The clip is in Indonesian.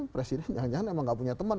presiden jangan jangan emang gak punya temen